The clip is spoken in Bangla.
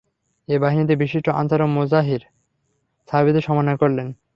এ বাহিনীতে বিশিষ্ট আনসার ও মুহাজির সাহাবীদের সমন্বয় করলেন।